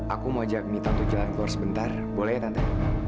aku mau ajak mita untuk jalan keluar sebentar boleh ya nanti